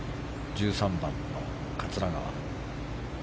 １３番の桂川。